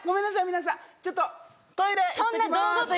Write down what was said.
皆さんちょっとトイレ行ってきます・